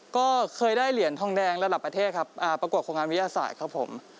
ก็เคยได้เหรียญทองแดงระดับประเทศครับประกวดโครงงานวิทยาศาสตร์ครับผม